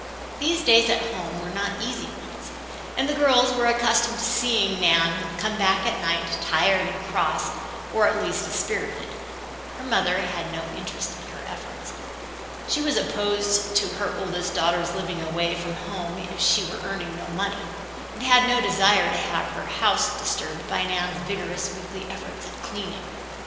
These days at home were not easy ones, and the girls were accustomed to seeing Nan come back at night tired and cross or at least dispirited. Her mother had no interest in her efforts. She was opposed to her oldest daughter's living away from home if she were earning no money, and had no desire to have her house disturbed by Nan's vigorous weekly efforts at cleaning.